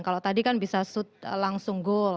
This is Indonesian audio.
kalau tadi kan bisa langsung goal